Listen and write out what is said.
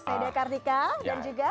saya dekardika dan juga